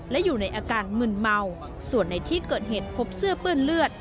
และอยู่ในอาการมึนเมาส่วนในที่เกิดเหตุพบเสื้อเปื้อนเลือด